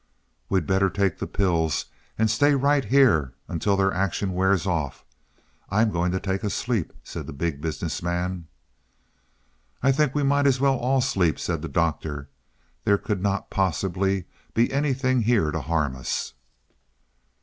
"We'd better take the pills and stay right here until their action wears off. I'm going to take a sleep," said the Big Business Man. "I think we might as well all sleep," said the Doctor. "There could not possibly be anything here to harm us."